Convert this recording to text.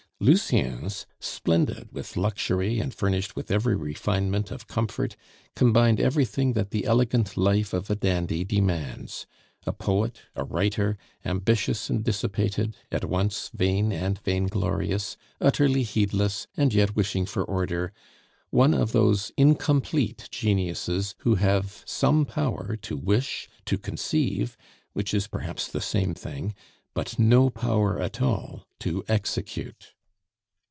Lucien's, splendid with luxury, and furnished with every refinement of comfort, combined everything that the elegant life of a dandy demands a poet, a writer, ambitious and dissipated, at once vain and vainglorious, utterly heedless, and yet wishing for order, one of those incomplete geniuses who have some power to wish, to conceive which is perhaps the same thing but no power at all to execute.